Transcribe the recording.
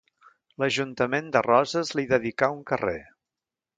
L'ajuntament de Roses li dedicà un carrer.